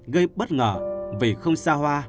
gây bất ngờ vì không xa hoa